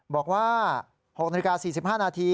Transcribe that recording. บอกว่า๖นาฬิกา๔๕นาที